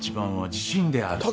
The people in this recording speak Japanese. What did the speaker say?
「自信である」